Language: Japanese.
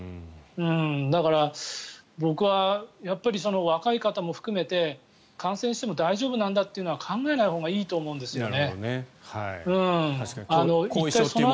だから、僕は若い方も含めて感染しても大丈夫なんだというのは考えないほうがいいと思うんですよね。